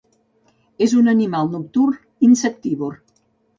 És un animal nocturn insectívor.